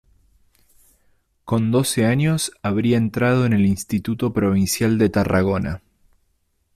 Con doce años habría entrado en el Instituto Provincial de Tarragona.